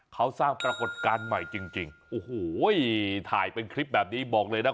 เขาสร้างปรากฏการณ์ใหม่จริงจริงโอ้โหถ่ายเป็นคลิปแบบนี้บอกเลยนะ